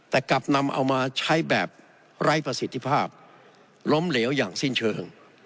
แต่กลับนำเอามาใช้แบบไร้ประสิทธิภาพล้มเหลวอย่างสิ้นเชิง